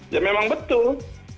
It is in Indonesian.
ya memang betul